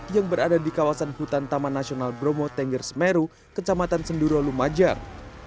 yang berada di kawasan hutan taman nasional bromo tengger semeru kecamatan senduro lumajang